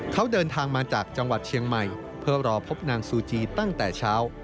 เขาเดินทางมาจากจังหวัดเชียงใหม่เพื่อรอพบนางซูจีตั้งแต่เช้า